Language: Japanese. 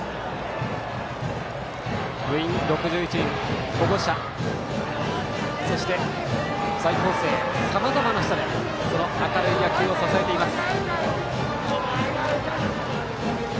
部員６１人、保護者、在校生さまざまな人で明るい野球を支えています。